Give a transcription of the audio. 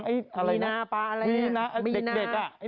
ฮักพีร์บ้านบาคอะไรอย่างงี้